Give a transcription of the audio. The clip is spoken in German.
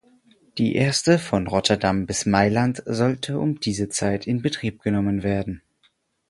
Die erste von Rotterdam bis Mailand sollte um diese Zeit in Betrieb genommen werden.